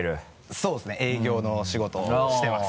そうですね営業の仕事をしてます